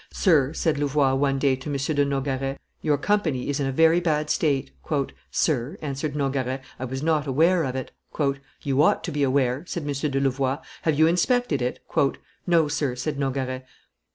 "Sir," said Louvois one day to M. de Nogaret, "your company is in a very bad state." "Sir," answered Nogaret, "I was not aware of it." "You ought to be aware," said M. de Louvois: "have you inspected it?" "No, sir," said Nogaret.